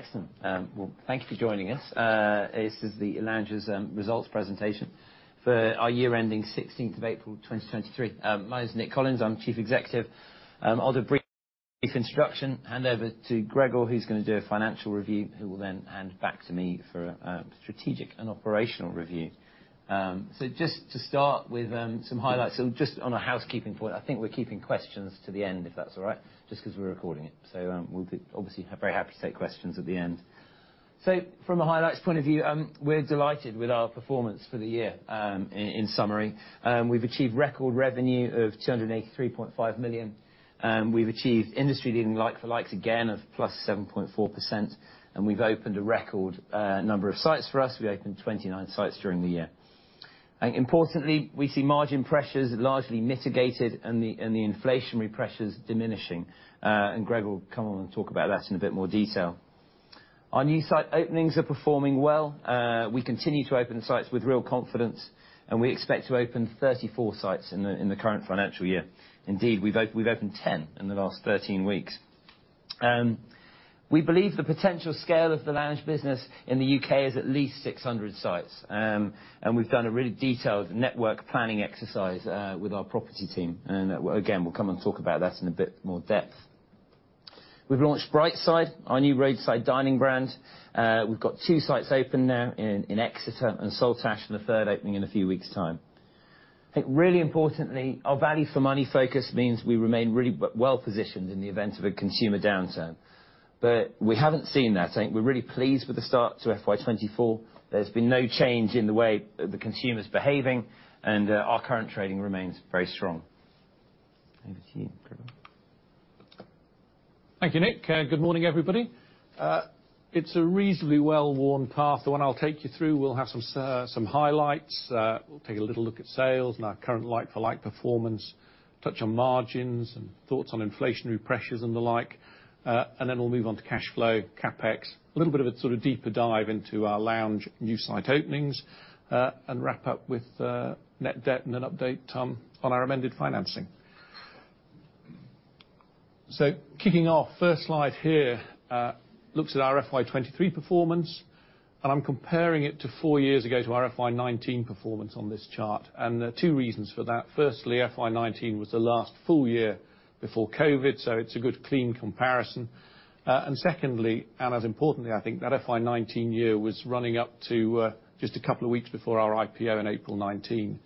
Excellent. Well, thank you for joining us. This is the Loungers results presentation for our year ending 16th of April, 2023. My name is Nick Collins, I'm chief executive. I'll do a brief introduction, hand over to Gregor, who's going to do a financial review, who will then hand back to me for strategic and operational review. Just to start with some highlights, so just on a housekeeping point, I think we're keeping questions to the end, if that's all right, just 'cause we're recording it. We'll be, obviously, very happy to take questions at the end. From a highlights point of view, we're delighted with our performance for the year. In summary, we've achieved record revenue of 283.5 million, we've achieved industry-leading like-for-likes again of +7.4%, we've opened a record number of sites for us. We opened 29 sites during the year. Importantly, we see margin pressures largely mitigated and the inflationary pressures diminishing. Gregor will come on and talk about that in a bit more detail. Our new site openings are performing well. We continue to open sites with real confidence, we expect to open 34 sites in the current financial year. Indeed, we've opened 10 in the last 13 weeks. We believe the potential scale of the Lounge business in the UK is at least 600 sites. We've done a really detailed network planning exercise with our property team, and again, we'll come and talk about that in a bit more depth. We've launched Brightside, our new roadside dining brand. We've got two sites open now in Exeter and Saltash, and a third opening in a few weeks' time. I think really importantly, our value for money focus means we remain really well positioned in the event of a consumer downturn. We haven't seen that. I think we're really pleased with the start to FY24. There's been no change in the way the consumer's behaving, and our current trading remains very strong. Over to you, Gregor. Thank you, Nick. Good morning, everybody. It's a reasonably well-worn path, the one I'll take you through. We'll have some highlights. We'll take a little look at sales and our current like-for-like performance, touch on margins and thoughts on inflationary pressures and the like. Then we'll move on to cash flow, CapEx, a little bit of a sort of deeper dive into our Lounge new site openings, and wrap up with net debt and an update on our amended financing. Kicking off, first slide here, looks at our FY23 performance, and I'm comparing it to four years ago to our FY19 performance on this chart, and there are two reasons for that. Firstly, FY19 was the last full year before COVID, so it's a good, clean comparison. Secondly, and as importantly, I think, that FY19 year was running up to just a couple of weeks before our IPO in April 2019.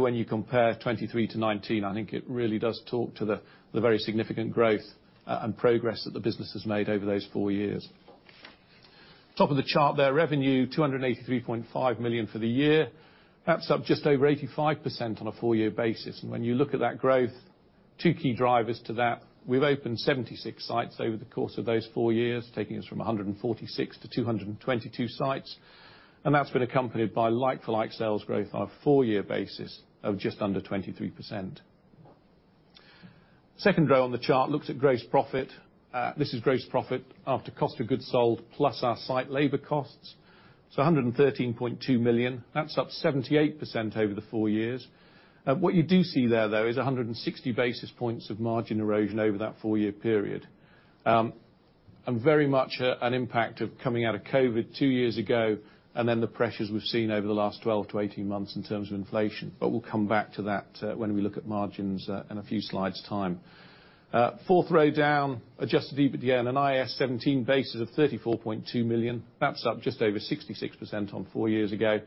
When you compare 2023 to 2019, I think it really does talk to the very significant growth and progress that the business has made over those four years. Top of the chart there, revenue, 283.5 million for the year. That's up just over 85% on a four year basis. When you look at that growth, two key drivers to that, we've opened 76 sites over the course of those four years, taking us from 146 to 222 sites, and that's been accompanied by like-for-like sales growth on a four year basis of just under 23%. Second row on the chart looks at gross profit. This is gross profit after cost of goods sold, plus our site labor costs. 113.2 million. That's up 78% over the four years. What you do see there, though, is 160 basis points of margin erosion over that four year period. Very much an impact of coming out of COVID two years ago, and then the pressures we've seen over the last 12 to 18 months in terms of inflation, but we'll come back to that when we look at margins in a few slides' time. Fourth row down, adjusted EBITDA on an IAS 17 basis of 34.2 million. That's up just over 66% on four years ago,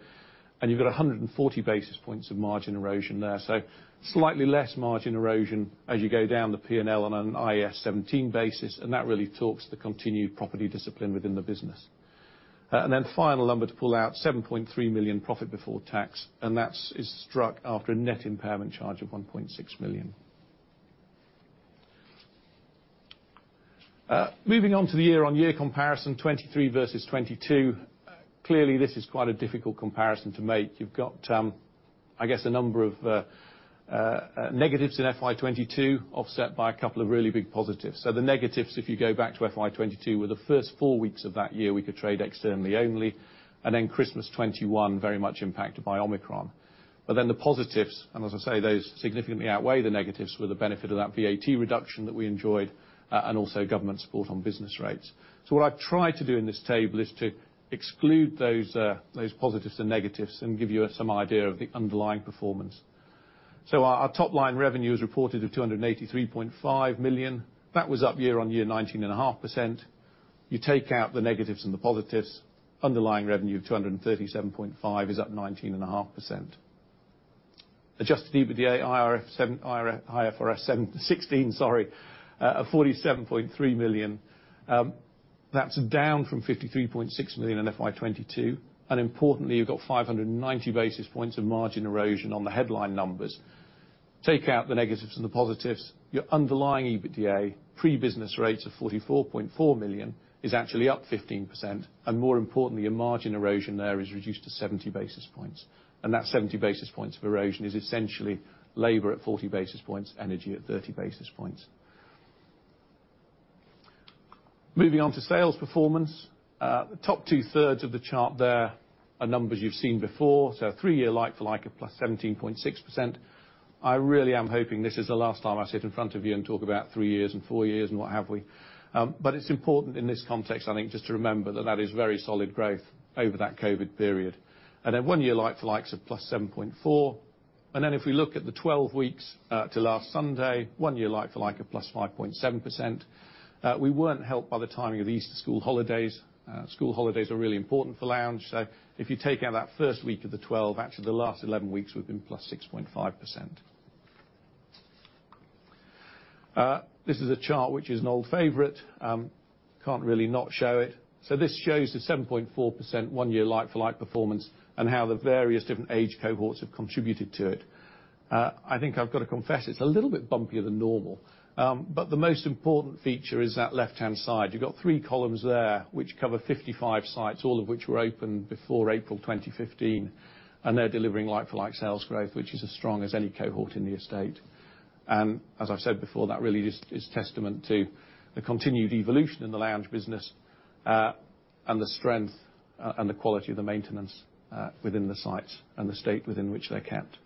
and you've got 140 basis points of margin erosion there. Slightly less margin erosion as you go down the PL on an IAS 17 basis, and that really talks to the continued property discipline within the business. Final number to pull out, 7.3 million profit before tax, and that is struck after a net impairment charge of 1.6 million. Moving on to the year-on-year comparison, 2023 versus 2022. Clearly, this is quite a difficult comparison to make. You've got, I guess, a number of negatives in FY22, offset by a couple of really big positives. The negatives, if you go back to FY22, were the first four weeks of that year, we could trade externally only, and then Christmas 2021, very much impacted by Omicron. The positives, and as I say, those significantly outweigh the negatives, were the benefit of that VAT reduction that we enjoyed, and also government support on business rates. What I've tried to do in this table is to exclude those positives and negatives and give you some idea of the underlying performance. Our top-line revenue is reported at 283.5 million. That was up year-over-year, 19.5%. You take out the negatives and the positives, underlying revenue of 237.5 million is up 19.5%. Adjusted EBITDA, IFRS 16, sorry, 47.3 million. That's down from 53.6 million in FY22. Importantly, you've got 590 basis points of margin erosion on the headline numbers. Take out the negatives and the positives, your underlying EBITDA, pre-business rates of 44.4 million, is actually up 15%, and more importantly, your margin erosion there is reduced to 70 basis points. That 70 basis points of erosion is essentially labor at 40 basis points, energy at 30 basis points. Moving on to sales performance. The top two-thirds of the chart there are numbers you've seen before, so a three year like-for-like of +17.6%. I really am hoping this is the last time I sit in front of you and talk about three years and four years and what have we. It's important in this context, I think, just to remember that that is very solid growth over that COVID period. One year, like-for-likes of +7.4%. If we look at the 12 weeks to last Sunday, one year, like-for-like of +5.7%. We weren't helped by the timing of the Easter school holidays. School holidays are really important for Lounge. If you take out that first week of the 12, actually, the last 11 weeks we've been +6.5%. This is a chart which is an old favorite. Can't really not show it. This shows the 7.4% one-year like-for-like performance and how the various different age cohorts have contributed to it. I think I've got to confess, it's a little bit bumpier than normal. The most important feature is that left-hand side. You've got three columns there, which cover 55 sites, all of which were opened before April 2015, and they're delivering like-for-like sales growth, which is as strong as any cohort in the estate. As I've said before, that really is testament to the continued evolution in the Lounge business, and the strength, and the quality of the maintenance, within the sites and the state within which they're kept.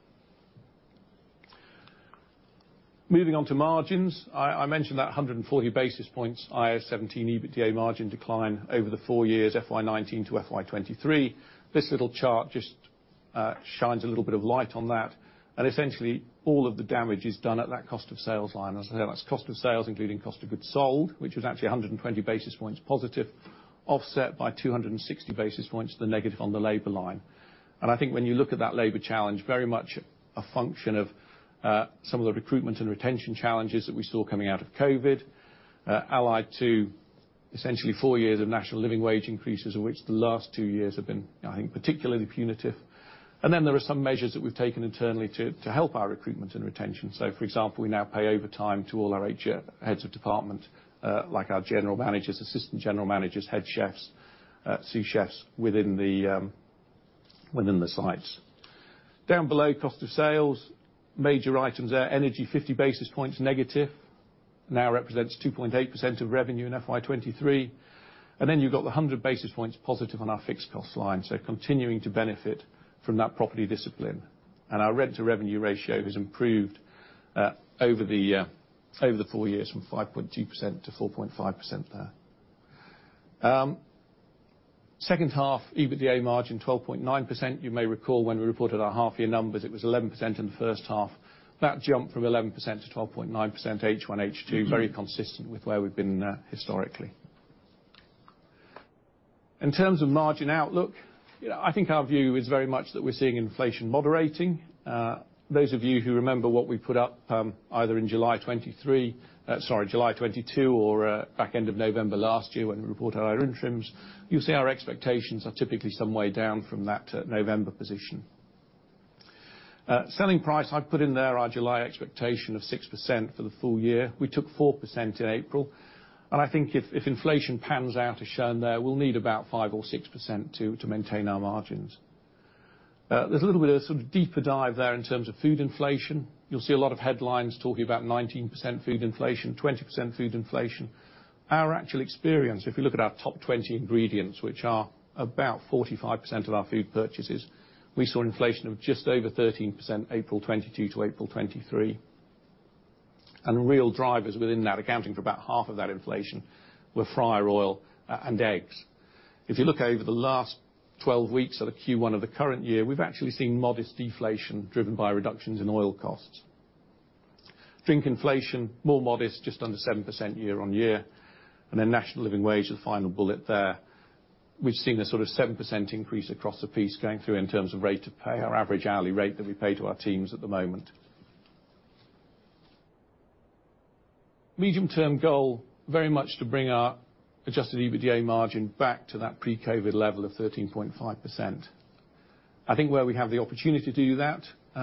Moving on to margins. I mentioned that 140 basis points, IAS 17 EBITDA margin decline over the four years, FY19 to FY23. This little chart just shines a little bit of light on that. Essentially, all of the damage is done at that cost of sales line. As I said, that's cost of sales, including cost of goods sold, which is actually 120 basis points positive, offset by 260 basis points to the negative on the labor line. I think when you look at that labor challenge, very much a function of some of the recruitment and retention challenges that we saw coming out of COVID, allied to essentially four years of National Living Wage increases, in which the last two years have been, I think, particularly punitive. There are some measures that we've taken internally to help our recruitment and retention. For example, we now pay overtime to all our heads of department, like our general managers, assistant general managers, head chefs, sous chefs within the within the sites. Down below, cost of sales, major items there, energy, 50 basis points negative, now represents 2.8% of revenue in FY 2023. You've got the 100 basis points positive on our fixed cost line, continuing to benefit from that property discipline. Our rent-to-revenue ratio has improved over the four years from 5.2% to 4.5% there. Second half, EBITDA margin, 12.9%. You may recall when we reported our half-year numbers, it was 11% in the first half. That jumped from 11% to 12.9% H1, H2, very consistent with where we've been historically. In terms of margin outlook, you know, I think our view is very much that we're seeing inflation moderating. Those of you who remember what we put up, either in July 2023, sorry, July 2022, or back end of November last year when we reported our interims, you'll see our expectations are typically some way down from that November position. Selling price, I've put in there our July expectation of 6% for the full year. We took 4% in April. I think if inflation pans out as shown there, we'll need about 5% or 6% to maintain our margins. There's a little bit of sort of deeper dive there in terms of food inflation. You'll see a lot of headlines talking about 19% food inflation, 20% food inflation. Our actual experience, if you look at our top 20 ingredients, which are about 45% of our food purchases, we saw inflation of just over 13%, April 2022 to April 2023. Real drivers within that, accounting for about half of that inflation, were fryer oil and eggs. If you look over the last 12 weeks of the Q1 of the current year, we've actually seen modest deflation driven by reductions in oil costs. Drink inflation, more modest, just under 7% year-over-year, National Living Wage, the final bullet there. We've seen a sort of 7% increase across the piece going through in terms of rate of pay, our average hourly rate that we pay to our teams at the moment. Medium-term goal, very much to bring our adjusted EBITDA margin back to that pre-COVID level of 13.5%. I think where we have the opportunity to do that,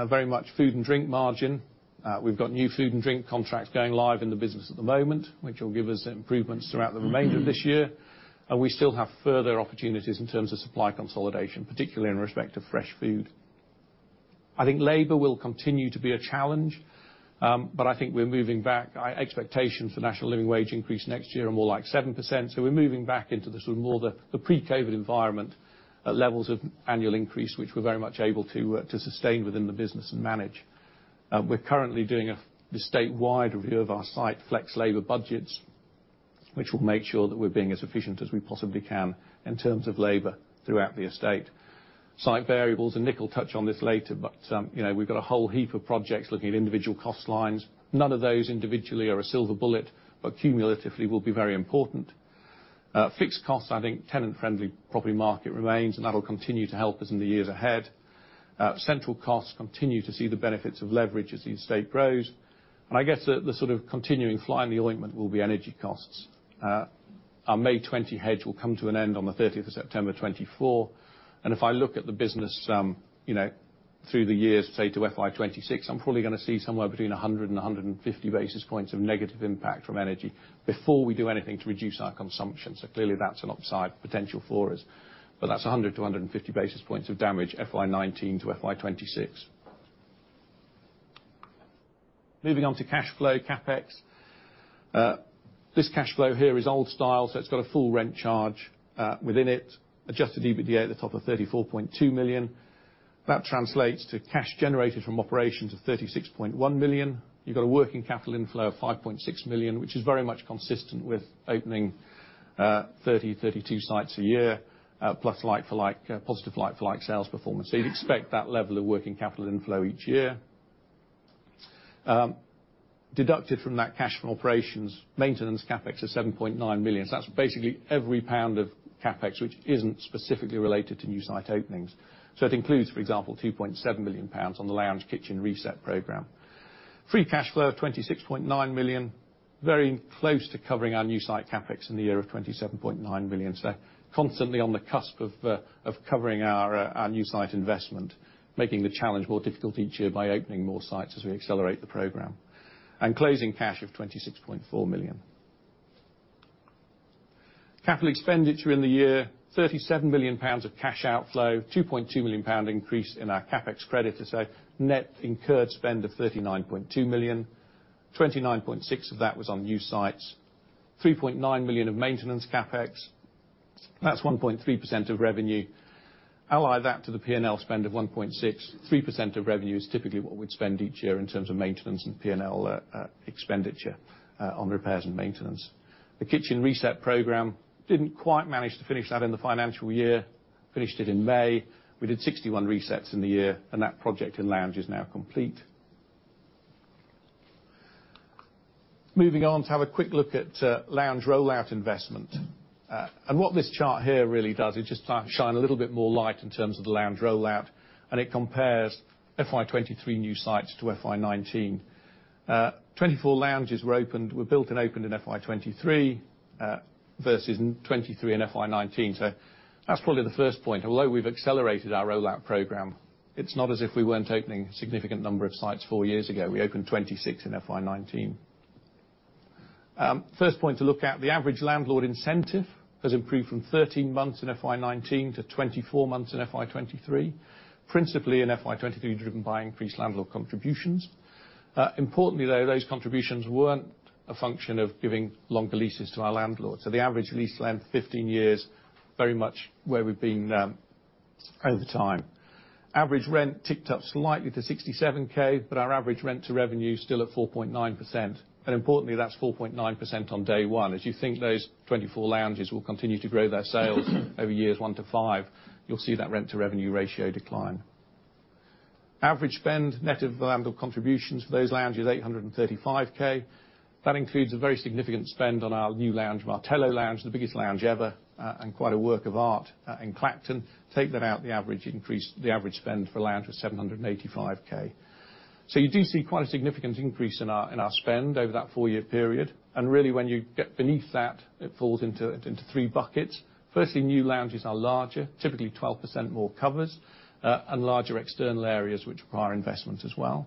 very much food and drink margin. We've got new food and drink contracts going live in the business at the moment, which will give us improvements throughout the remainder of this year, and we still have further opportunities in terms of supply consolidation, particularly in respect to fresh food. I think labor will continue to be a challenge, but I think we're moving back. Our expectations for National Living Wage increase next year are more like 7%. We're moving back into the sort of more the pre-COVID environment at levels of annual increase, which we're very much able to sustain within the business and manage. We're currently doing a statewide review of our site, flex labor budgets, which will make sure that we're being as efficient as we possibly can in terms of labor throughout the estate. Site variables, and Nick will touch on this later, you know, we've got a whole heap of projects looking at individual cost lines. None of those individually are a silver bullet, but cumulatively will be very important. Fixed costs, I think tenant-friendly property market remains, and that'll continue to help us in the years ahead. Central costs continue to see the benefits of leverage as the estate grows. I guess the sort of continuing fly in the ointment will be energy costs. Our 20 May hedge will come to an end on the 30th of September 2024. If I look at the business, you know, through the years, say, to FY26, I'm probably gonna see somewhere between 100 to 150 basis points of negative impact from energy before we do anything to reduce our consumption. Clearly, that's an upside potential for us, but that's 100 to 150 basis points of damage, FY19 to FY26. Moving on to cash flow, CapEx. This cash flow here is old style, so it's got a full rent charge within it. Adjusted EBITDA at the top of 34.2 million. That translates to cash generated from operations of 36.1 million. You've got a working capital inflow of 5.6 million, which is very much consistent with opening 30 to 32 sites a year, plus like-for-like positive like-for-like sales performance. You'd expect that level of working capital inflow each year. Deducted from that cash from operations, maintenance CapEx is 7.9 million. That's basically every GBP of CapEx, which isn't specifically related to new site openings. It includes, for example, 2.7 million pounds on the Lounge Kitchen Reset programme. Free cash flow of 26.9 million, very close to covering our new site CapEx in the year of 27.9 billion. Constantly on the cusp of covering our new site investment, making the challenge more difficult each year by opening more sites as we accelerate the program. Closing cash of 26.4 million. Capital expenditure in the year, 37 million pounds of cash outflow, 2.2 million pound increase in our CapEx credit, net incurred spend of 39.2 million. 29.6 of that was on new sites, 3.9 million of maintenance CapEx, that's 1.3% of revenue. Ally that to the PL spend of 1.63% of revenue is typically what we'd spend each year in terms of maintenance and P&L expenditure on repairs and maintenance. The Kitchen Reset programme, didn't quite manage to finish that in the financial year, finished it in May. We did 61 resets in the year, and that project in Lounge is now complete. Moving on to have a quick look at Lounge rollout investment. What this chart here really does, is just shine a little bit more light in terms of the Lounge rollout, and it compares FY23 new sites to FY19. 24 Lounges were built and opened in FY23 versus 23 Lounges in FY19. That's probably the first point. Although we've accelerated our rollout program, it's not as if we weren't opening a significant number of sites four years ago. We opened 26 Lounges in FY19. First point to look at, the average landlord incentive has improved from 13 months in FY19 to 24 months in FY23, principally in FY23, driven by increased landlord contributions. Importantly, though, those contributions weren't a function of giving longer leases to our landlords. The average lease length, 15 years, very much where we've been over time. Average rent ticked up slightly to 67K, but our average rent-to-revenue ratio is still at 4.9%. Importantly, that's 4.9% on day one. As you think those 24 lounges will continue to grow their sales over years one to five, you'll see that rent-to-revenue ratio decline. Average spend, net of landlord contributions for those lounges, is 835K. That includes a very significant spend on our new lounge, Martello Lounge, the biggest lounge ever, and quite a work of art, in Clacton. Take that out, the average increase, the average spend for a lounge was 785K. You do see quite a significant increase in our, in our spend over that four year period, and really, when you get beneath that, it falls into three buckets. Firstly, new lounges are larger, typically 12% more covers, and larger external areas, which require investment as well.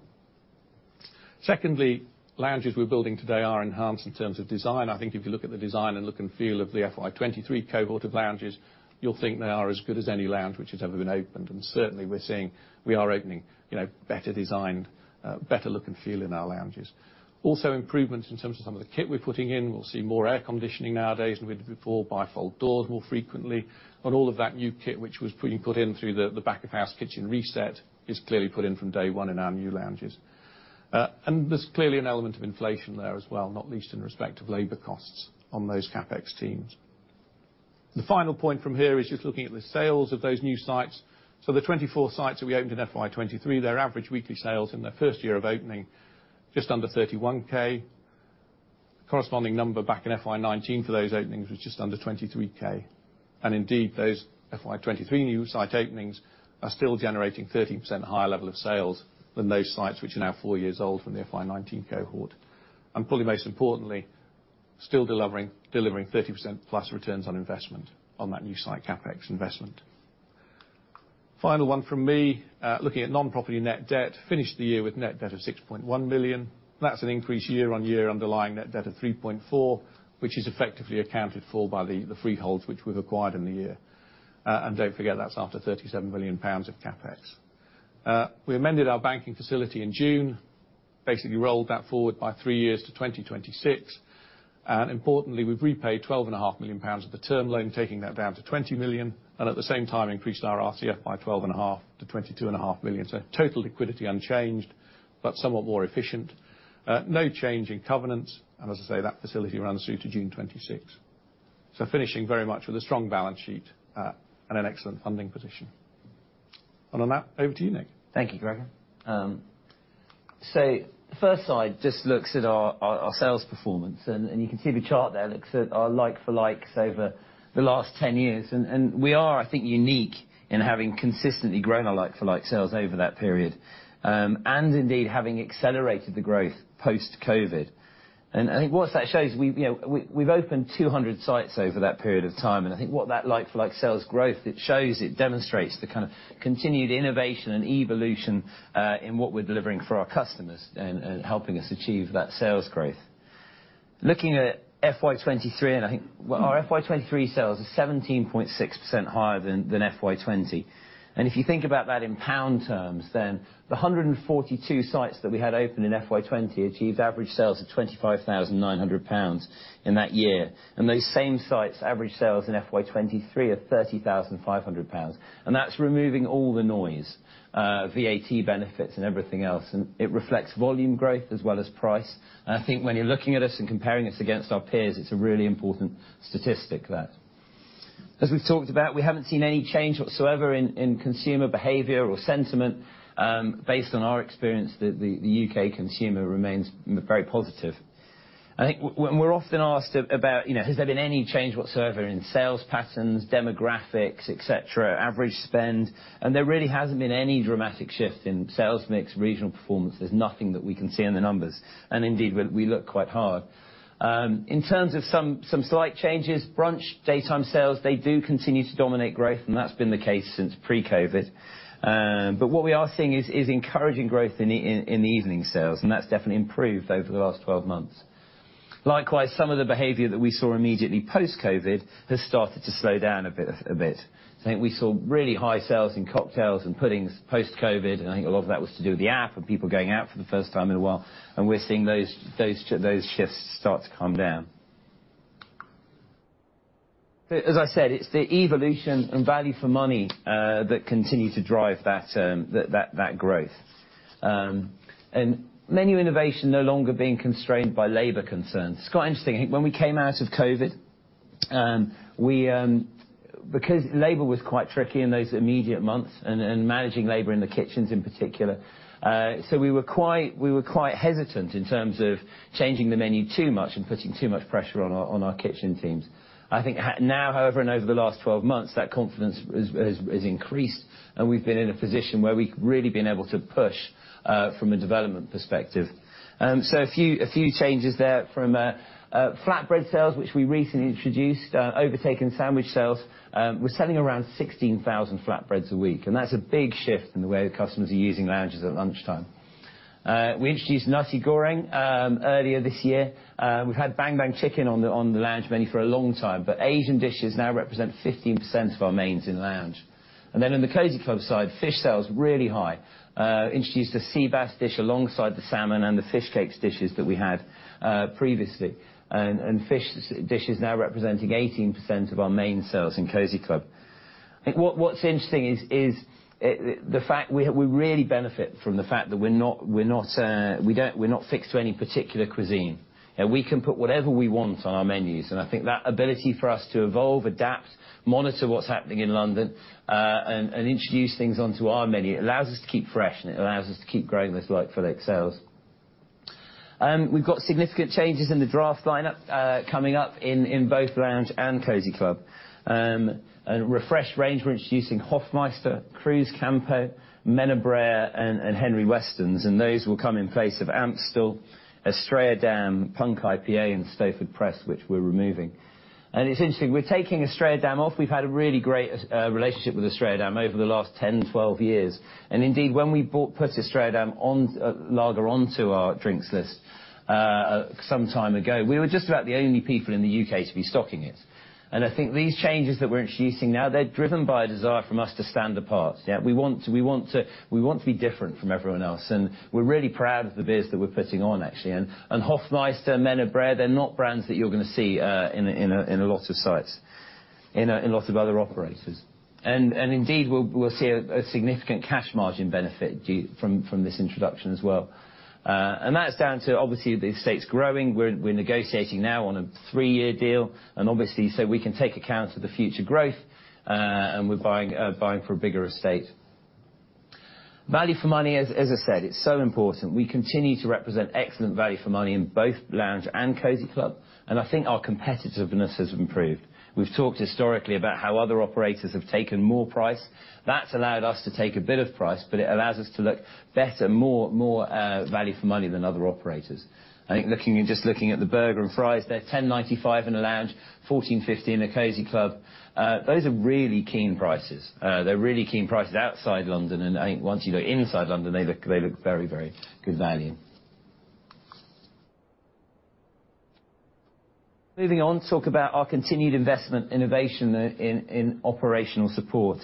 Secondly, lounges we're building today are enhanced in terms of design. I think if you look at the design and look and feel of the FY23 cohort of Lounges, you'll think they are as good as any Lounge which has ever been opened. Certainly, we are opening, you know, better designed, better look and feel in our Lounges. Also, improvements in terms of some of the kit we're putting in. We'll see more air conditioning nowadays than we did before, bifold doors more frequently. All of that new kit which was put in through the back-of-house Kitchen Reset programme is clearly put in from day one in our new Lounges. There's clearly an element of inflation there as well, not least in respect of labor costs on those CapEx teams. The final point from here is just looking at the sales of those new sites. The 24 sites that we opened in FY23, their average weekly sales in their first year of opening, just under 31K. Corresponding number back in FY19 for those openings was just under 23K. Indeed, those FY23 new site openings are still generating 13% higher level of sales than those sites, which are now four years old from the FY19 cohort. Probably most importantly, still delivering 30%+ returns on investment on that new site, CapEx investment. Final one from me, looking at non-property net debt, finished the year with net debt of 6.1 million. That's an increase year-on-year underlying net debt of 3.4 million, which is effectively accounted for by the freeholds which we've acquired in the year. Don't forget, that's after 37 million pounds of CapEx. We amended our banking facility in June, basically rolled that forward by three years to 2026. Importantly, we've repaid 12.5 million pounds of the term loan, taking that down to 20 million, and at the same time, increased our RCF by 12.5 million to GBP 22.5 million. Total liquidity unchanged, but somewhat more efficient. No change in covenants, as I say, that facility runs through to June 2026. Finishing very much with a strong balance sheet, an excellent funding position. On that, over to you, Nick. Thank you, Gregor. The first slide just looks at our sales performance, and you can see the chart there looks at our like-for-likes over the last 10 years. We are, I think, unique in having consistently grown our like-for-like sales over that period, and indeed, having accelerated the growth post-COVID. I think what that shows, we've opened 200 sites over that period of time, and I think what that like-for-like sales growth, it demonstrates the kind of continued innovation and evolution in what we're delivering for our customers and helping us achieve that sales growth. Looking at FY23, I think, well, our FY23 sales are 17.6% higher than FY20. If you think about that in GBP terms, the 142 sites that we had open in FY20 achieved average sales of 25,900 pounds in that year. Those same sites, average sales in FY23 are 30,500 pounds, and that's removing all the noise, VAT benefits and everything else, and it reflects volume growth as well as price. I think when you're looking at us and comparing us against our peers, it's a really important statistic, that. As we've talked about, we haven't seen any change whatsoever in consumer behavior or sentiment. Based on our experience, the UK consumer remains very positive. I think we're often asked about, you know, has there been any change whatsoever in sales patterns, demographics, et cetera, average spend? There really hasn't been any dramatic shift in sales mix, regional performance. There's nothing that we can see in the numbers, and indeed, we look quite hard. In terms of some slight changes, brunch, daytime sales, they do continue to dominate growth, and that's been the case since pre-COVID. What we are seeing is encouraging growth in the evening sales, and that's definitely improved over the last 12 months. Likewise, some of the behavior that we saw immediately post-COVID has started to slow down a bit. I think we saw really high sales in cocktails and puddings post-COVID, and I think a lot of that was to do with the app and people going out for the first time in a while, and we're seeing those shifts start to calm down. As I said, it's the evolution and value for money that continue to drive that growth. Menu innovation no longer being constrained by labor concerns. It's quite interesting. I think when we came out of COVID. Because labor was quite tricky in those immediate months and managing labor in the kitchens in particular, so we were quite hesitant in terms of changing the menu too much and putting too much pressure on our kitchen teams. I think now, however, and over the last 12 months, that confidence has increased, and we've been in a position where we've really been able to push from a development perspective. A few changes there from flatbread sales, which we recently introduced, overtaking sandwich sales. We're selling around 16,000 flatbreads a week, and that's a big shift in the way customers are using Lounge at lunchtime. We introduced Nasi Goreng earlier this year. We've had Bang Bang Chicken on the Lounge menu for a long time, but Asian dishes now represent 15% of our mains in Lounge. In the Cosy Club side, fish sales are really high. Introduced a sea bass dish alongside the salmon and the fish cakes dishes that we had previously, and fish dishes now representing 18% of our main sales in Cosy Club. I think what's interesting is the fact we really benefit from the fact that we're not fixed to any particular cuisine, and we can put whatever we want on our menus. I think that ability for us to evolve, adapt, monitor what's happening in London, and introduce things onto our menu, it allows us to keep fresh, and it allows us to keep growing those like-for-like sales. We've got significant changes in the draft lineup, coming up in both Lounge and Cosy Club. A refreshed range. We're introducing Hofmeister, Cruzcampo, Menabrea, and Henry Westons, and those will come in place of Amstel, Estrella Damm, Punk IPA, and Stowford Press, which we're removing. It's interesting, we're taking Estrella Damm off. We've had a really great relationship with Estrella Damm over the last 10 to 12 years. Indeed, when we put Estrella Damm on lager onto our drinks list some time ago, we were just about the only people in the UK to be stocking it. I think these changes that we're introducing now, they're driven by a desire from us to stand apart. Yeah, we want to be different from everyone else, and we're really proud of the beers that we're putting on, actually. Hofmeister, Menabrea, they're not brands that you're going to see in a lot of sites, in a lot of other operators. Indeed, we'll see a significant cash margin benefit from this introduction as well. That's down to obviously the estate's growing. We're negotiating now on a three-year deal, obviously, so we can take account of the future growth, and we're buying for a bigger estate. Value for money, as I said, it's so important. We continue to represent excellent value for money in both Lounge and Cosy Club, and I think our competitiveness has improved. We've talked historically about how other operators have taken more price. That's allowed us to take a bit of price, but it allows us to look better, more value for money than other operators. I think looking, just looking at the burger and fries, they're 10.95 in a Lounge, 14.50 in a Cosy Club. Those are really keen prices. They're really keen prices outside London. I think once you go inside London, they look very, very good value. Moving on, talk about our continued investment in innovation in operational support.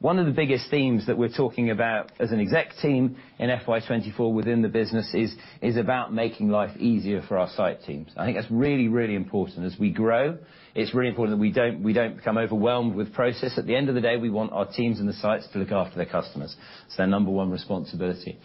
One of the biggest themes that we're talking about as an exec team in FY 2024 within the business is about making life easier for our site teams. I think that's really, really important. As we grow, it's really important that we don't become overwhelmed with process. At the end of the day, we want our teams and the sites to look after their customers. It's their number one responsibility.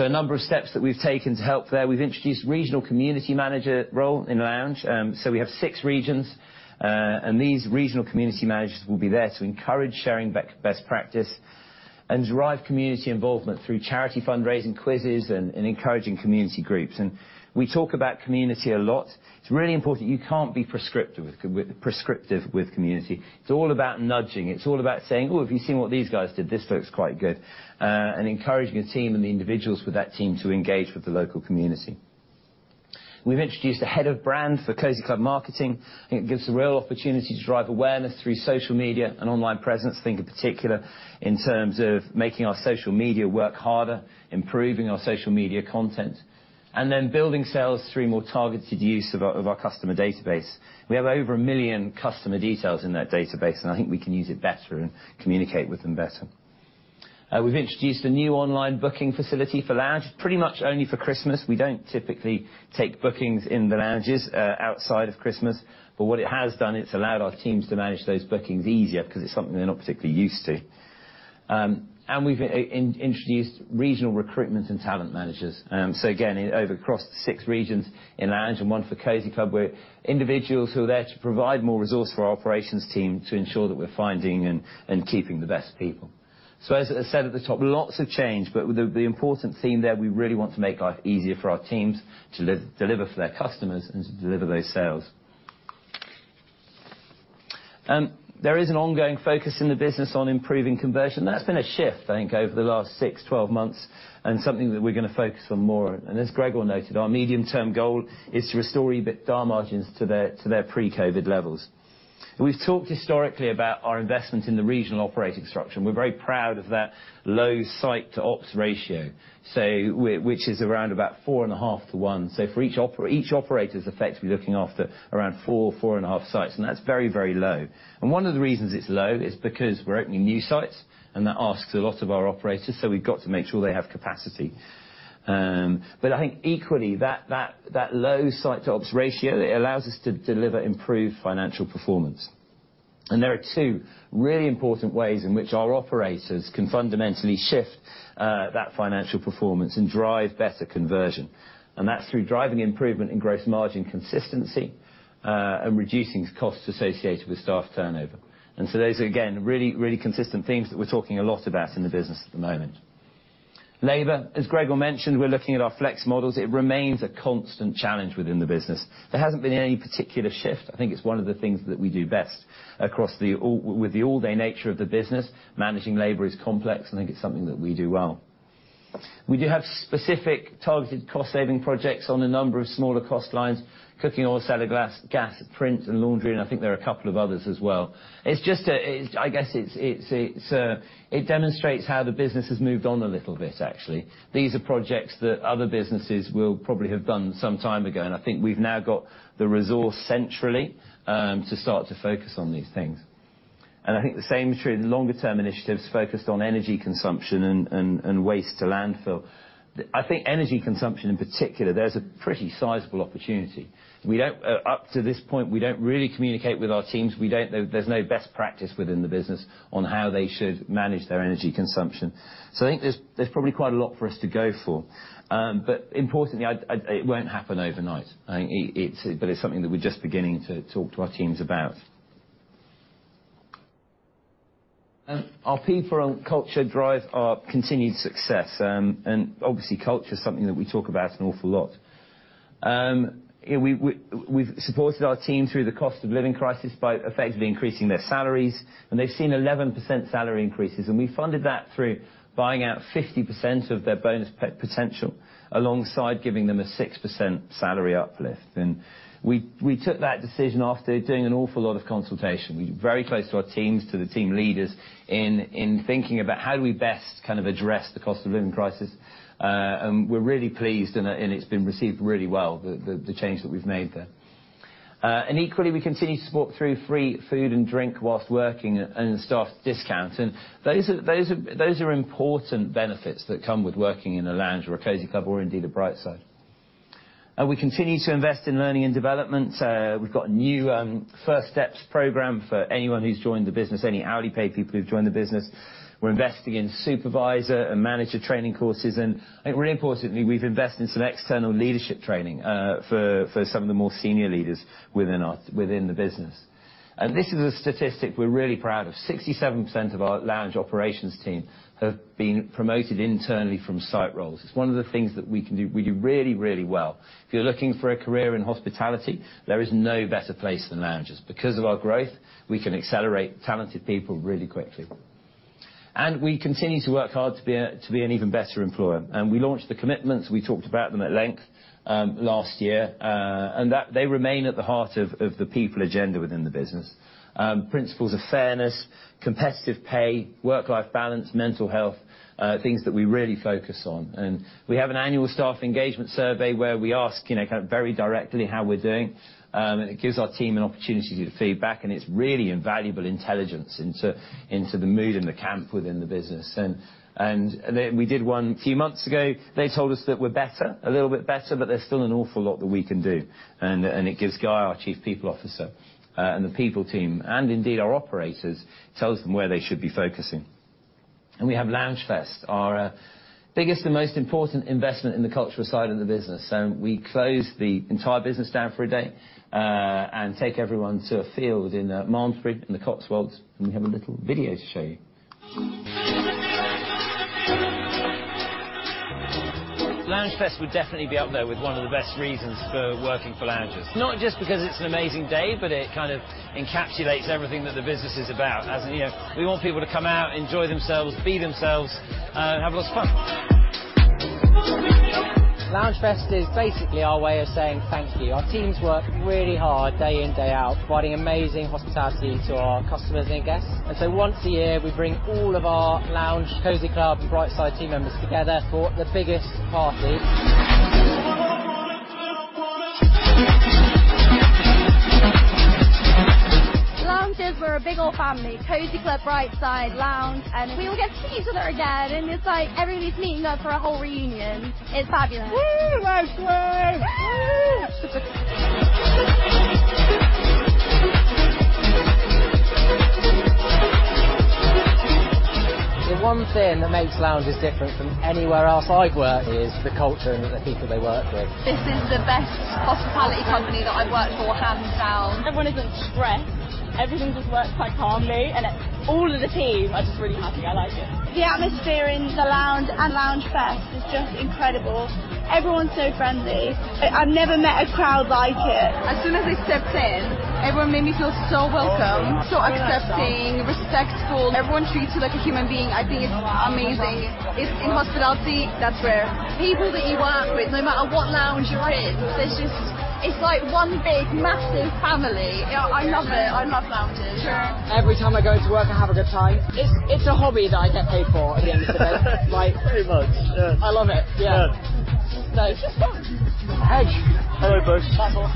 A number of steps that we've taken to help there, we've introduced regional community manager role in Lounge. We have six regions, and these regional community managers will be there to encourage sharing best practice and drive community involvement through charity fundraising, quizzes, and encouraging community groups. We talk about community a lot. It's really important. You can't be prescriptive with prescriptive with community. It's all about nudging. It's all about saying, "Oh, have you seen what these guys did? This looks quite good," and encouraging the team and the individuals with that team to engage with the local community. We've introduced a head of brand for Cosy Club Marketing. I think it gives a real opportunity to drive awareness through social media and online presence. Think in particular, in terms of making our social media work harder, improving our social media content, and then building sales through more targeted use of our customer database. We have over one million customer details in that database, and I think we can use it better and communicate with them better. We've introduced a new online booking facility for Lounge, pretty much only for Christmas. We don't typically take bookings in the lounges, outside of Christmas, but what it has done, it's allowed our teams to manage those bookings easier because it's something they're not particularly used to. We've introduced regional recruitment and talent managers. Again, over across the six regions in Lounge and one for Cosy Club, we're individuals who are there to provide more resource for our operations team to ensure that we're finding and keeping the best people. As I said at the top, lots of change, but with the important theme there, we really want to make life easier for our teams to deliver for their customers and to deliver those sales. There is an ongoing focus in the business on improving conversion. That's been a shift, I think, over the last six, 12 months, and something that we're gonna focus on more. As Gregor noted, our medium-term goal is to restore EBITDA margins to their, to their pre-COVID levels. We've talked historically about our investment in the regional operating structure, and we're very proud of that low site-to-ops ratio, so. Which is around about four and a half to one. For each operator is effectively looking after around four and a half sites, and that's very, very low. One of the reasons it's low is because we're opening new sites, and that asks a lot of our operators, so we've got to make sure they have capacity. I think equally, that low site-to-ops ratio, it allows us to deliver improved financial performance. There are two really important ways in which our operators can fundamentally shift that financial performance and drive better conversion. That's through driving improvement in gross margin consistency and reducing costs associated with staff turnover. Those are, again, really, really consistent themes that we're talking a lot about in the business at the moment. Labor, as Gregor mentioned, we're looking at our flex models. It remains a constant challenge within the business. There hasn't been any particular shift. I think it's one of the things that we do best across the all. With the all-day nature of the business, managing labor is complex. I think it's something that we do well. We do have specific targeted cost-saving projects on a number of smaller cost lines, cooking oil, salad, gas, print, and laundry. I think there are a couple of others as well. It's just a, I guess it demonstrates how the business has moved on a little bit, actually. These are projects that other businesses will probably have done some time ago. I think we've now got the resource centrally to start to focus on these things. I think the same is true, the longer-term initiatives focused on energy consumption and waste to landfill. I think energy consumption, in particular, there's a pretty sizable opportunity. Up to this point, we don't really communicate with our teams. There's no best practice within the business on how they should manage their energy consumption. I think there's probably quite a lot for us to go for. Importantly, it won't happen overnight. I think it's something that we're just beginning to talk to our teams about. Our people and culture drive our continued success. Obviously, culture is something that we talk about an awful lot. We've supported our team through the cost of living crisis by effectively increasing their salaries, and they've seen 11% salary increases, and we funded that through buying out 50% of their bonus potential, alongside giving them a 6% salary uplift. We took that decision after doing an awful lot of consultation. We're very close to our teams, to the team leaders, in thinking about how do we best kind of address the cost of living crisis, we're really pleased, and it's been received really well, the change that we've made there. Equally, we continue to support through free food and drink whilst working and staff discounts, and those are important benefits that come with working in a Lounge or a Cosy Club or indeed, a Brightside. We continue to invest in learning and development. We've got a new First Steps program for anyone who's joined the business, any hourly paid people who've joined the business. We're investing in supervisor and manager training courses. I think really importantly, we've invested in some external leadership training for some of the more senior leaders within the business. This is a statistic we're really proud of: 67% of our Lounge operations team have been promoted internally from site roles. It's one of the things that we can do, we do really, really well. If you're looking for a career in hospitality, there is no better place than Loungers. Because of our growth, we can accelerate talented people really quickly. We continue to work hard to be an even better employer. We launched The Commitments, we talked about them at length last year, they remain at the heart of the people agenda within the business. Principles of fairness, competitive pay, work-life balance, mental health, things that we really focus on. We have an annual staff engagement survey where we ask, you know, kind of very directly how we're doing, and it gives our team an opportunity to feedback, and it's really invaluable intelligence into the mood and the camp within the business. Then we did one a few months ago. They told us that we're better, a little bit better, but there's still an awful lot that we can do. It gives Guy, our Chief People Officer, and the people team, and indeed our operators, tells them where they should be focusing. We have LoungeFest, our biggest and most important investment in the cultural side of the business. We close the entire business down for a day, and take everyone to a field in Malmesbury, in the Cotswolds, and we have a little video to show you. LoungeFest would definitely be up there with one of the best reasons for working for Loungers. Not just because it's an amazing day, but it kind of encapsulates everything that the business is about. As you know, we want people to come out, enjoy themselves, be themselves, and have a lot of fun. LoungeFest is basically our way of saying thank you. Our teams work really hard day in, day out, providing amazing hospitality to our customers and guests. Once a year, we bring all of our Lounge, Cosy Club, and Brightside team members together for the biggest party. Loungers, we're a big old family, Cosy Club, Brightside, Lounge, and we all get to see each other again, and it's like everybody's meeting up for a whole reunion. It's fabulous. Woo! LoungeFest. The one thing that makes Loungers different from anywhere else I've worked is the culture and the people they work with. This is the best hospitality company that I've worked for, hands down. Everyone isn't stressed. Everything just works quite calmly, and all of the team are just really happy. I like it. The atmosphere in the Lounge and LoungeFest is just incredible. Everyone's so friendly. I've never met a crowd like it. As soon as I stepped in, everyone made me feel so welcome, so accepting, respectful. Everyone treats you like a human being. I think it's amazing. It's in hospitality, that's rare. People that you work with, no matter what Lounge you're in, there's just, It's like one big, massive family. I love it. I love Loungers. True. Every time I go to work, I have a good time. It's a hobby that I get paid for at the end of the day. Pretty much, yeah. I love it. Yeah. Yeah. No, it's just fun. Hey. Hello, folks. Michael.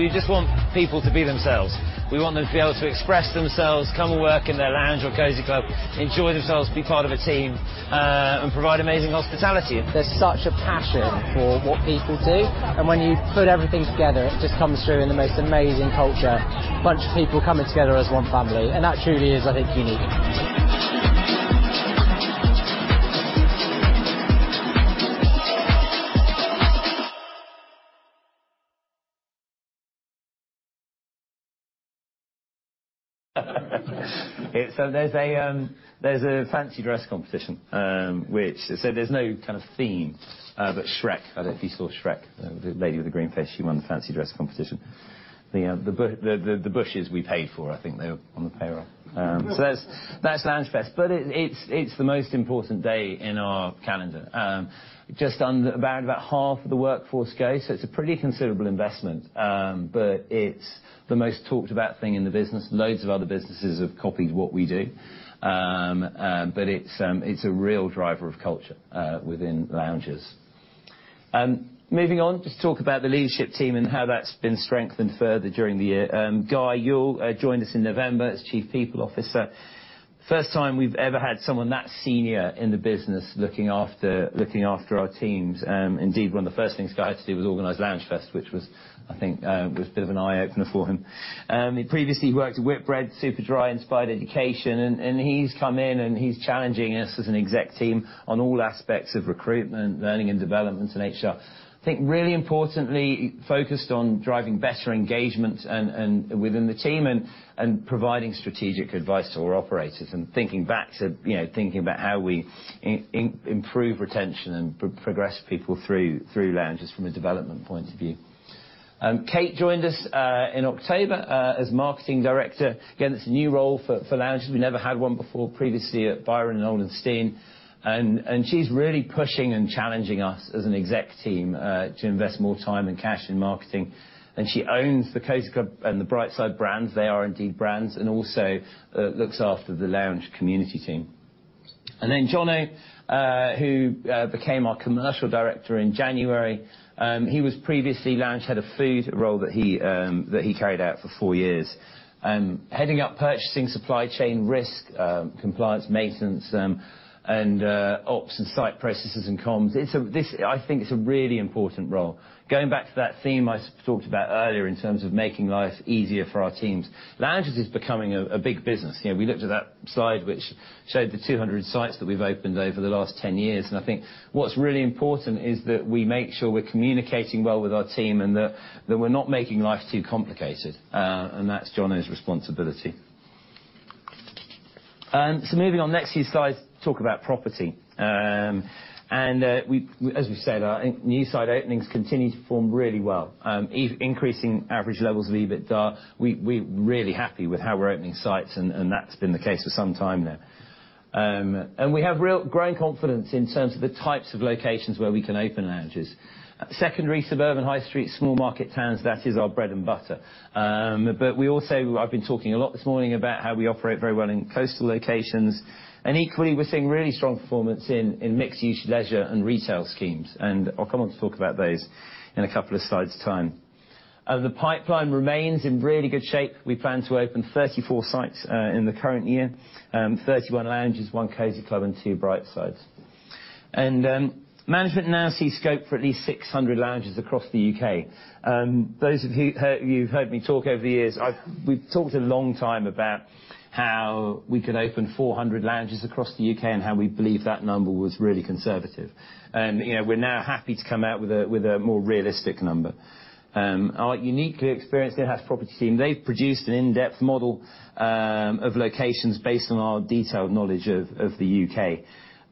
We just want people to be themselves. We want them to be able to express themselves, come and work in their Lounge or Cosy Club, enjoy themselves, be part of a team, and provide amazing hospitality. There's such a passion for what people do, and when you put everything together, it just comes through in the most amazing culture. A bunch of people coming together as one family, and that truly is, I think, unique. There's a fancy dress competition, which so there's no kind of theme, but Shrek. I don't know if you saw Shrek, the lady with the green face, she won the fancy dress competition. The bushes we paid for, I think they were on the payroll. That's Lounge Fest. It's the most important day in our calendar. Just under about half of the workforce go, so it's a pretty considerable investment. It's the most talked about thing in the business. Loads of other businesses have copied what we do. It's a real driver of culture within Loungers. Moving on, just talk about the leadership team and how that's been strengthened further during the year. Guy Youll joined us in November as Chief People Officer. First time we've ever had someone that senior in the business looking after our teams. Indeed, one of the first things Guy had to do was organize LoungeFest, which was, I think, a bit of an eye-opener for him. He previously worked at Whitbread, Superdry, Inspired Education, and he's come in and he's challenging us as an exec team on all aspects of recruitment, learning and development, and HR. I think really importantly, focused on driving better engagement within the team and providing strategic advice to our operators, and thinking back to, you know, thinking about how we improve retention and progress people through Loungers from a development point of view. Kate joined us in October as Marketing Director. Again, it's a new role for Loungers. We never had one before, previously at Byron and Nolan Stein, and she's really pushing and challenging us as an executive team to invest more time and cash in marketing. She owns the Cosy Club and the Brightside brands. They are indeed brands, and also looks after the Lounge community team. Jono, who became our Commercial Director in January. He was previously Lounge Head of Food, a role that he carried out for four years. Heading up purchasing, supply chain, risk, compliance, maintenance, and ops and site processes and comms. This, I think it's a really important role. Going back to that theme I talked about earlier in terms of making life easier for our teams, Loungers is becoming a big business. You know, we looked at that slide which showed the 200 sites that we've opened over the last 10 years. I think what's really important is that we make sure we're communicating well with our team and that we're not making life too complicated, and that's Jono's responsibility. Moving on, next few slides talk about property. As we've said, our new site openings continue to form really well, increasing average levels of EBITDA. We're really happy with how we're opening sites, and that's been the case for some time now. We have real growing confidence in terms of the types of locations where we can open Lounges. Secondary, suburban, high street, small market towns, that is our bread and butter. We also, I've been talking a lot this morning about how we operate very well in coastal locations, and equally, we're seeing really strong performance in mixed-use leisure and retail schemes, and I'll come on to talk about those in a couple of slides' time. The pipeline remains in really good shape. We plan to open 34 sites in the current year, 31 Lounges, one Cosy Club, and two Brightsides. Management now sees scope for at least 600 Lounges across the UK. Those of you, who you've heard me talk over the years, we've talked a long time about how we could open 400 Lounges across the UK, and how we believe that number was really conservative. You know, we're now happy to come out with a, with a more realistic number. Our uniquely experienced Gatehouse property team, they've produced an in-depth model of locations based on our detailed knowledge of the U.K.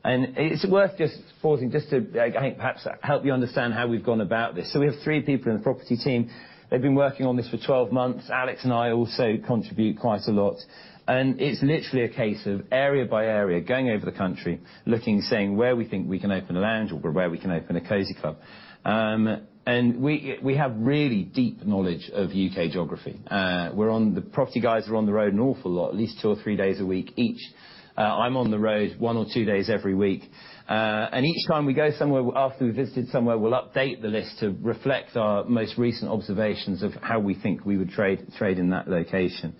It's worth just pausing just to, I think, perhaps help you understand how we've gone about this. We have three people in the property team. They've been working on this for 12 months. Alex and I also contribute quite a lot, and it's literally a case of area by area, going over the country, looking and saying where we think we can open a Lounge or where we can open a Cosy Club. We have really deep knowledge of U.K. geography. The property guys are on the road an awful lot, at least two or three days a week each. I'm on the road one or two days every week. Each time we go somewhere, after we've visited somewhere, we'll update the list to reflect our most recent observations of how we think we would trade in that location.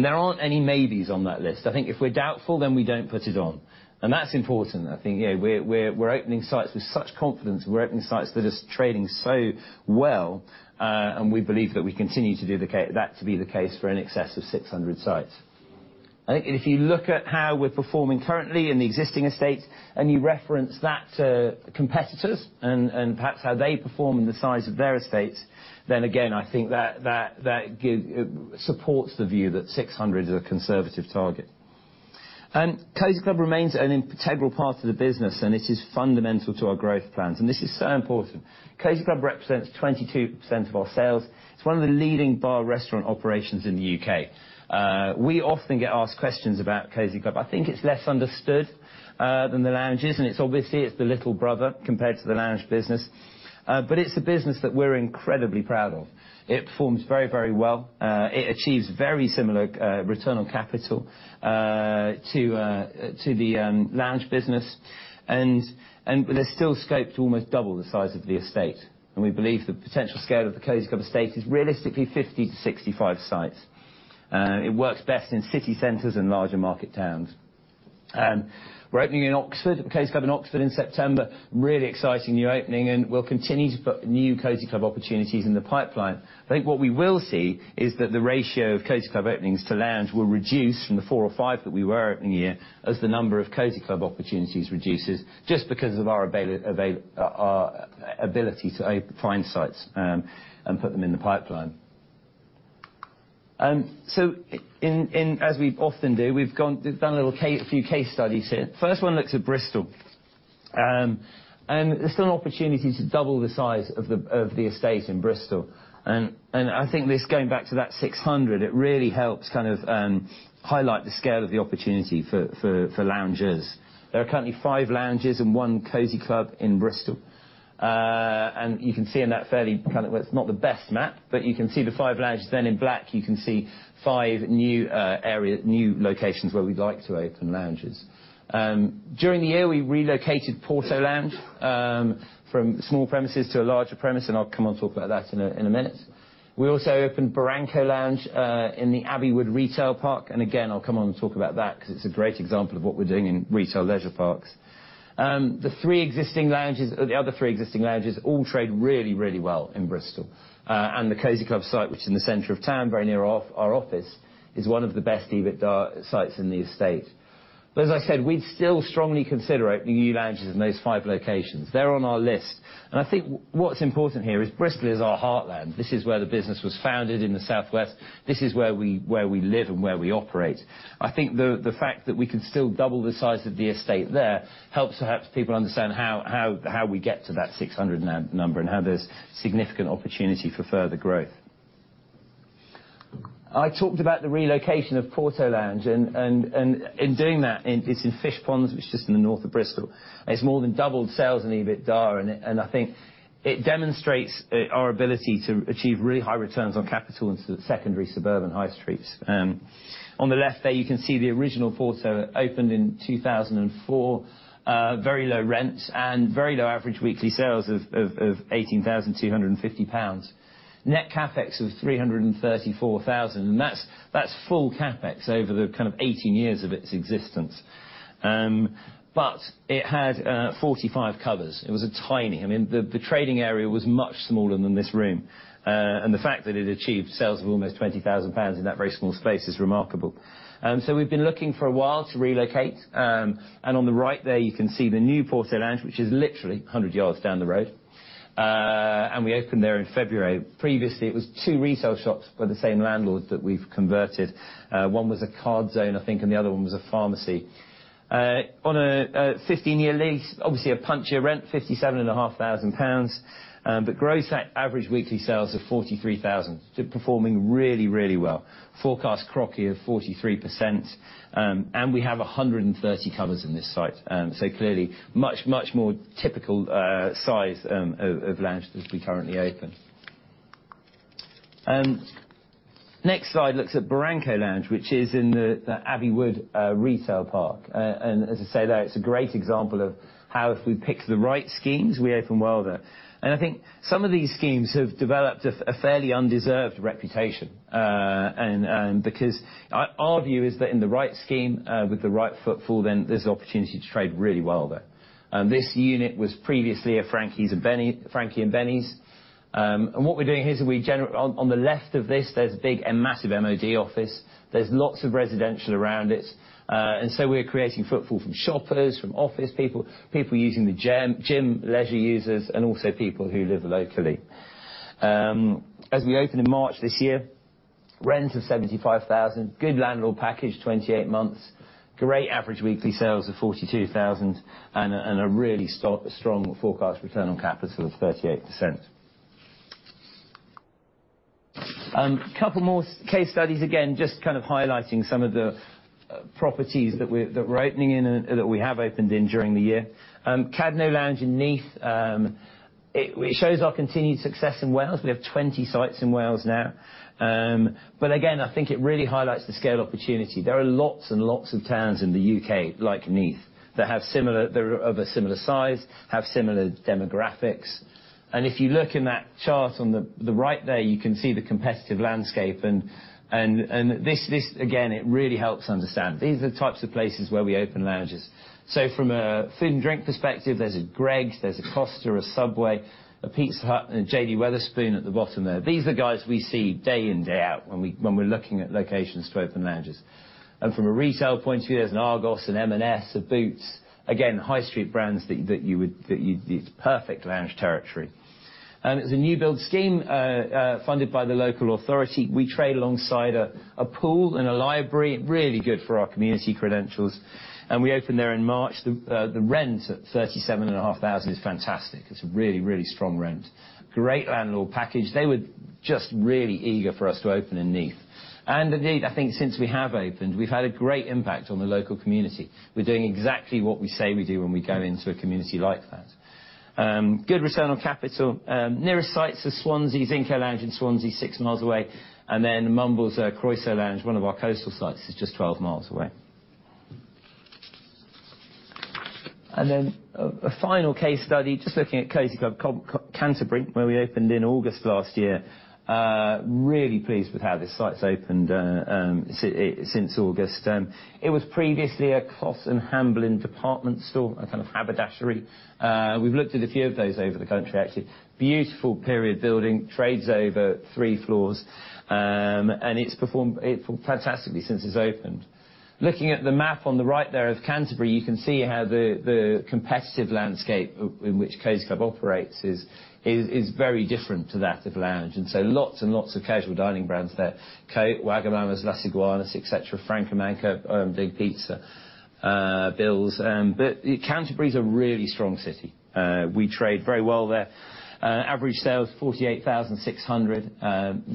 There aren't any maybes on that list. I think if we're doubtful, then we don't put it on, and that's important. I think, you know, we're opening sites with such confidence. We're opening sites that are just trading so well, and we believe that we continue to do that to be the case for in excess of 600 sites. I think if you look at how we're performing currently in the existing estates, and you reference that to competitors and perhaps how they perform and the size of their estates, then again, I think that supports the view that 600 is a conservative target. Cosy Club remains an integral part of the business, and it is fundamental to our growth plans, and this is so important. Cosy Club represents 22% of our sales. It's one of the leading bar restaurant operations in the UK. We often get asked questions about Cosy Club. I think it's less understood than the Lounges, and it's obviously, it's the little brother compared to the Lounge business, but it's a business that we're incredibly proud of. It performs very, very well. It achieves very similar return on capital to the Lounge business. There's still scope to almost double the size of the estate, and we believe the potential scale of the Cosy Club estate is realistically 50 to 65 sites. It works best in city centers and larger market towns. We're opening in Oxford, a Cosy Club in Oxford in September, really exciting new opening, and we'll continue to put new Cosy Club opportunities in the pipeline. I think what we will see is that the ratio of Cosy Club openings to Lounge will reduce from the four or five that we were opening a year, as the number of Cosy Club opportunities reduces, just because of our ability to open, find sites, and put them in the pipeline. In, as we often do, we've done a little case, a few case studies here. First one looks at Bristol, and there's still an opportunity to double the size of the estate in Bristol. I think this, going back to that 600, it really helps kind of highlight the scale of the opportunity for Lounges. There are currently five Lounges and one Cosy Club in Bristol. You can see in that fairly, kind of, well, it's not the best map, but you can see the five Lounges. In black, you can see five new areas, new locations where we'd like to open Lounges. During the year, we relocated Porto Lounge from small premises to a larger premise, and I'll come on and talk about that in a minute. We also opened Barranco Lounge in the Abbey Wood Retail Park, and again, I'll come on and talk about that, because it's a great example of what we're doing in retail leisure parks. The three existing lounges, the other three existing lounges all trade really, really well in Bristol. The Cosy Club site, which is in the center of town, very near our office, is one of the best EBITDA sites in the estate. As I said, we'd still strongly consider opening new lounges in those five locations. They're on our list. I think what's important here is Bristol is our heartland. This is where the business was founded in the southwest. This is where we live and where we operate. I think the fact that we can still double the size of the estate there helps perhaps people understand how we get to that 600 number, and how there's significant opportunity for further growth. I talked about the relocation of Porto Lounge, in doing that, it's in Fishponds, which is just in the north of Bristol, it's more than doubled sales and EBITDA, I think it demonstrates our ability to achieve really high returns on capital into the secondary suburban high streets. On the left there, you can see the original Porto opened in 2004. Very low rent and very low average weekly sales of 18,250 pounds. Net CapEx of 334,000, that's full CapEx over the kind of 18 years of its existence. It had 45 covers. It was a tiny. I mean, the trading area was much smaller than this room, and the fact that it achieved sales of almost 20,000 pounds in that very small space is remarkable. We've been looking for a while to relocate, and on the right there, you can see the new Porto Lounge, which is literally 100 yards down the road, and we opened there in February. Previously, it was two retail shops by the same landlord that we've converted. One was a Cardzone, I think, and the other one was a pharmacy. On a 15 year lease, obviously, a punchier rent, 57,500 pounds, but gross average weekly sales of 43,000. Performing really, really well. Forecast CROCI of 43%, and we have 130 covers in this site. Clearly, much, much more typical size of Lounges we currently open. Next slide looks at Barranco Lounge, which is in the Abbey Wood retail park. As I say there, it's a great example of how if we pick the right schemes, we open well there. I think some of these schemes have developed a fairly undeserved reputation. Because our view is that in the right scheme, with the right footfall, then there's opportunity to trade really well there. This unit was previously a Frankie & Benny's. What we're doing here is we on the left of this, there's a big and massive MOD office. There's lots of residential around it, we're creating footfall from shoppers, from office people using the gym, leisure users, and also people who live locally. As we opened in March this year, rents are 75,000. Good landlord package, 28 months. Great average weekly sales of 42,000, and a really strong forecast return on capital of 38%. Couple more case studies, again, just kind of highlighting some of the properties that we're opening in and that we have opened in during the year. Cadno Lounge in Neath, it shows our continued success in Wales. We have 20 sites in Wales now. I think it really highlights the scale opportunity. There are lots and lots of towns in the UK like Neath, that have similar... They're of a similar size, have similar demographics, and if you look in that chart on the right there, you can see the competitive landscape. This, again, it really helps understand. These are the types of places where we open Lounges. From a food and drink perspective, there's a Greggs, there's a Costa, a Subway, a Pizza Hut, and a J D Wetherspoon at the bottom there. These are guys we see day in, day out when we're looking at locations to open Lounges. From a retail point of view, there's an Argos, an M&S, a Boots, again, high street brands. It's perfect Lounge territory. It's a new-build scheme, funded by the local authority. We trade alongside a pool and a library, really good for our community credentials. We opened there in March. The rent at 37 and a half thousand is fantastic. It's a really, really strong rent. Great landlord package. They were just really eager for us to open in Neath. Indeed, I think since we have opened, we've had a great impact on the local community. We're doing exactly what we say we do when we go into a community like that. Good return on capital. Nearest sites are Swansea, Zinco Lounge in Swansea, 6 miles away, and then Mumbles, Croeso Lounge, one of our coastal sites, is just 12 miles away. Then a final case study, just looking at Cosy Club Canterbury, where we opened in August last year. Really pleased with how this site's opened since August. It was previously a Closs & Hamblin department store, a kind of haberdashery. We've looked at a few of those over the country, actually. Beautiful period building, trades over three floors. It's performed fantastically since it's opened. Looking at the map on the right there of Canterbury, you can see how the competitive landscape in which Cosy Club operates is very different to that of Lounge, and so lots and lots of casual dining brands there. Côte, wagamama, Las Iguanas, et cetera, Franco Manca, OMG Pizza, Bill's. Canterbury's a really strong city. We trade very well there. Average sales, 48,600.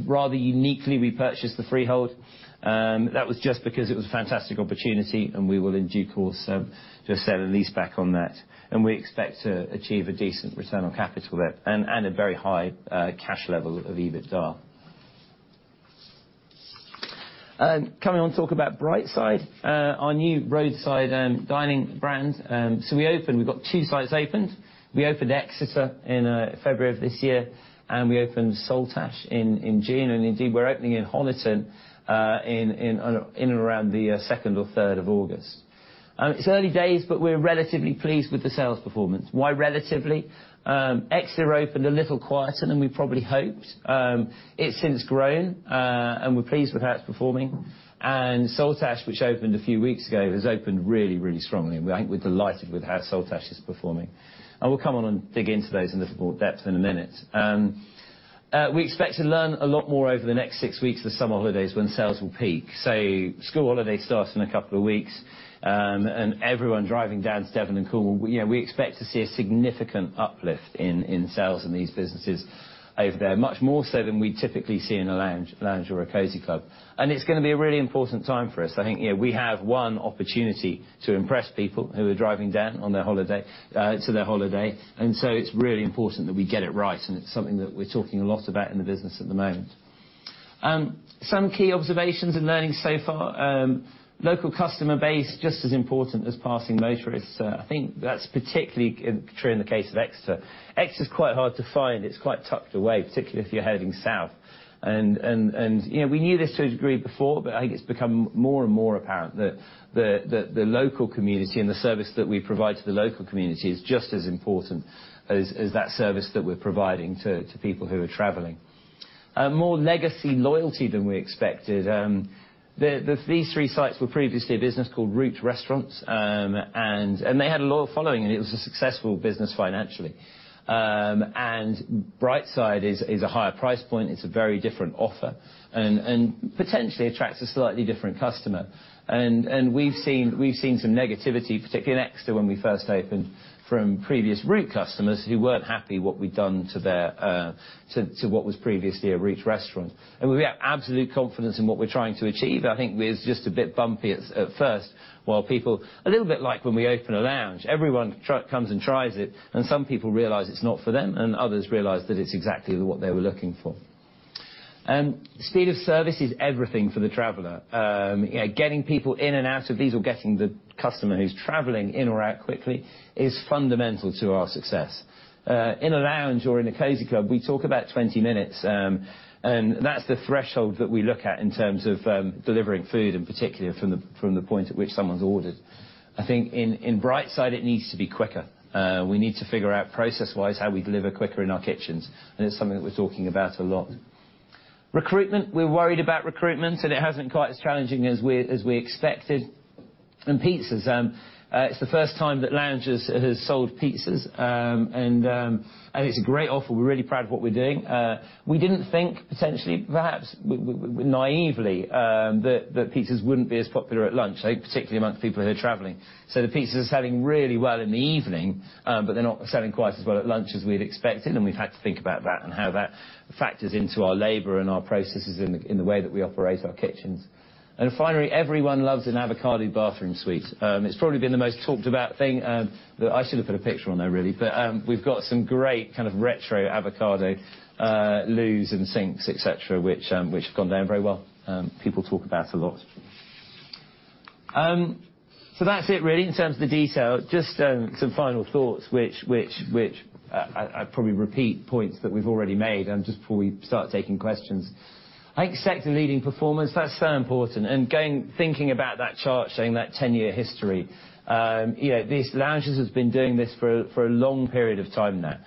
Rather uniquely, we purchased the freehold, that was just because it was a fantastic opportunity. We will, in due course, just set a leaseback on that. We expect to achieve a decent return on capital there and a very high cash level of EBITDA. Coming on to talk about Brightside, our new roadside dining brand. We've got two sites opened. We opened Exeter in February of this year. We opened Saltash in June. We're opening in Honiton in around the 2nd of August or 3rd of August. It's early days, but we're relatively pleased with the sales performance. Why relatively? Exeter opened a little quieter than we probably hoped. It's since grown. We're pleased with how it's performing. Saltash, which opened a few weeks ago, has opened really, really strongly, and we think we're delighted with how Saltash is performing. We'll come on and dig into those in a little more depth in a minute. We expect to learn a lot more over the next six weeks, the summer holidays, when sales will peak. School holidays starts in a couple of weeks, and everyone driving down to Devon and Cornwall, you know, we expect to see a significant uplift in sales in these businesses over there, much more so than we typically see in a Lounge or a Cosy Club. It's gonna be a really important time for us. I think, you know, we have one opportunity to impress people who are driving down on their holiday to their holiday. It's really important that we get it right, and it's something that we're talking a lot about in the business at the moment. Some key observations and learnings so far. Local customer base, just as important as passing motorists. I think that's particularly true in the case of Exeter. Exeter's quite hard to find. It's quite tucked away, particularly if you're heading south. You know, we knew this to a degree before, but I think it's become more and more apparent that the local community and the service that we provide to the local community is just as important as that service that we're providing to people who are traveling. More legacy loyalty than we expected. These three sites were previously a business called Route Restaurants, and they had a loyal following, and it was a successful business financially. Brightside is a higher price point, it's a very different offer and potentially attracts a slightly different customer. We've seen some negativity, particularly in Exeter when we first opened, from previous Route customers who weren't happy what we'd done to their to what was previously a Route restaurant. We have absolute confidence in what we're trying to achieve. I think it's just a bit bumpy at first, while people. A little bit like when we open a Lounge, everyone comes and tries it, and some people realize it's not for them, and others realize that it's exactly what they were looking for. Speed of service is everything for the traveler. Getting people in and out of these, or getting the customer who's traveling in or out quickly, is fundamental to our success. In a Lounge or in a Cosy Club, we talk about 20 minutes, and that's the threshold that we look at in terms of delivering food, in particular, from the point at which someone's ordered. I think in Brightside, it needs to be quicker. We need to figure out process-wise, how we deliver quicker in our kitchens, and it's something that we're talking about a lot. Recruitment. We're worried about recruitment, and it hasn't quite as challenging as we expected. Pizzas. It's the first time that Loungers has sold pizzas. It's a great offer. We're really proud of what we're doing. We didn't think, potentially, perhaps naively, that pizzas wouldn't be as popular at lunch, particularly amongst people who are traveling. The pizza is selling really well in the evening, but they're not selling quite as well at lunch as we'd expected, we've had to think about that and how that factors into our labor and our processes in the way that we operate our kitchens. Finally, everyone loves an avocado bathroom suite. It's probably been the most talked about thing. I should have put a picture on there, really, but we've got some great kind of retro avocado loos and sinks, et cetera, which have gone down very well. People talk about a lot. That's it, really, in terms of the detail. Just some final thoughts, which I probably repeat points that we've already made, just before we start taking questions. I think sector-leading performance, that's so important. Going, thinking about that chart, showing that 10 year history. You know, Loungers has been doing this for a long period of time now.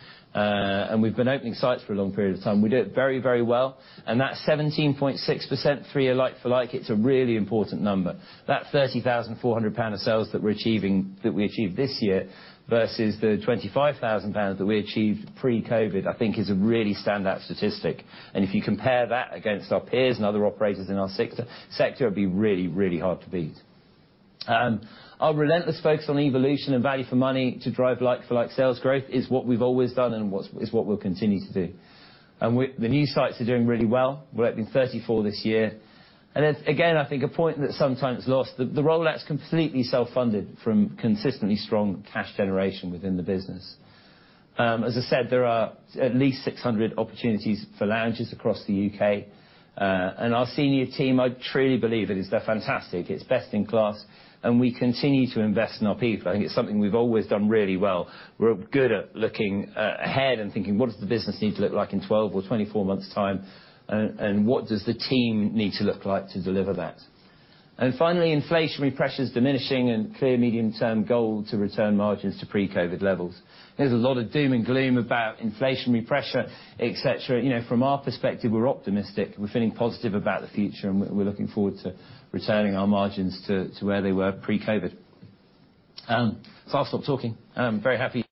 We've been opening sites for a long period of time. We do it very, very well. That 17.6% three year like-for-like, it's a really important number. That 30,400 pound of sales that we're achieving, that we achieved this year, versus the 25,000 pounds that we achieved pre-COVID, I think is a really standout statistic. If you compare that against our peers and other operators in our sector, it'd be really, really hard to beat. Our relentless focus on evolution and value for money to drive like-for-like sales growth is what we've always done and is what we'll continue to do. The new sites are doing really well. We're opening 34 this year. Again, I think a point that's sometimes lost, the rollout is completely self-funded from consistently strong cash generation within the business. As I said, there are at least 600 opportunities for Loungers across the UK. Our senior team, I truly believe it, is they're fantastic. It's best in class, and we continue to invest in our people. I think it's something we've always done really well. We're good at looking ahead and thinking, what does the business need to look like in 12 or 24 months' time, and what does the team need to look like to deliver that? Finally, inflationary pressures diminishing and clear medium-term goal to return margins to pre-COVID levels. There's a lot of doom and gloom about inflationary pressure, et cetera. You know, from our perspective, we're optimistic. We're feeling positive about the future, and we're looking forward to returning our margins to where they were pre-COVID. I'll stop talking. I'm very happy.